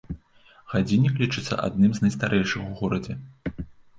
Гадзіннік лічыцца адным з найстарэйшых у горадзе.